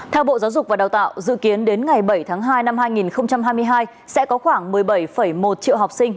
theo bộ giáo dục và đào tạo dự kiến đến ngày bảy tháng hai năm hai nghìn hai mươi hai sẽ có khoảng một mươi bảy một triệu học sinh